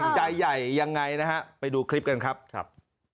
ใจใหญ่ยังไงนะครับไปดูคลิปกันครับ